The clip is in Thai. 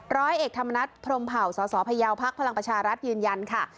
ร้อยเอกธรรมนัฐพรมเผ่าสสพยาวพักพลังประชารัฐยืนยันค่ะ